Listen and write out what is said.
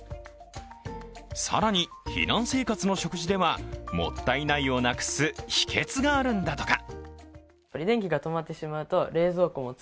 更に、避難生活の食事ではもったないをなくす秘訣があるんだとか。